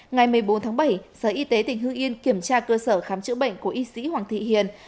ngày một mươi bốn tháng bảy sở y tế tỉnh hưng yên kiểm tra cơ sở khám chữa bệnh của y sĩ hoàng thị hiền